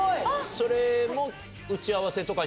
・それも。